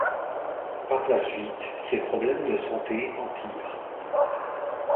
Par la suite, ses problèmes de santé empirent.